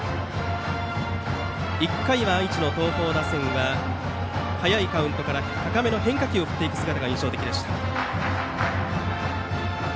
１回は、愛知の東邦打線は早いカウントから高めの変化球を振っていく姿が印象的でした。